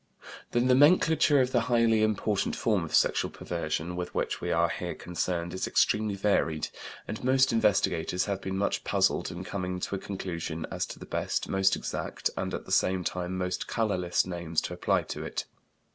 The nomenclature of the highly important form of sexual perversion with which we are here concerned is extremely varied, and most investigators have been much puzzled in coming to a conclusion as to the best, most exact, and at the same time most colorless names to apply to it.